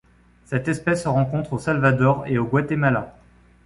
Cette espèce se rencontre au Salvador et au Guatemala.